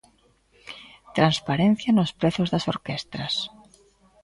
Transparencia nos prezos das orquestras.